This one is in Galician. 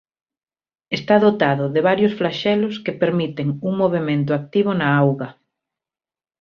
Está dotado de varios flaxelos que permiten un movemento activo na auga.